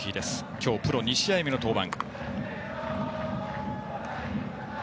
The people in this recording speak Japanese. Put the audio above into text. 今日、プロ２試合目の登板。